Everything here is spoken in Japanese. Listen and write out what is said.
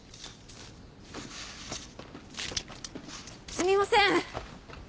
すみません。